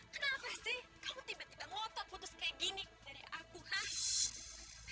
kenapa sih kamu tiba tiba ngotot putus kayak gini dari aku khas